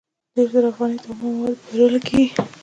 دېرش زره افغانۍ د اومه موادو په پېرلو لګېږي